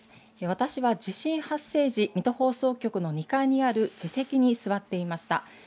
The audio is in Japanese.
私は地震発生時、水戸放送局の２階にある自席に座っていました。